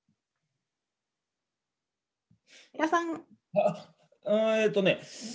あっえっとね